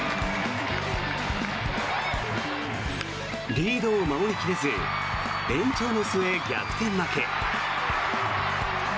リードを守り切れず延長の末、逆転負け。